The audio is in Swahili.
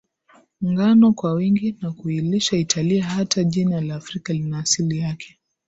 ngano kwa wingi na kuilisha Italia Hata jina la Afrika lina asili yake